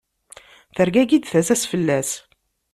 Tergagi-d tasa-s fell-as.